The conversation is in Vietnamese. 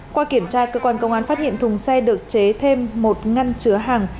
qua kiểm tra cơ quan công an phát hiện thùng xe được chế thêm một ngăn chứa hàng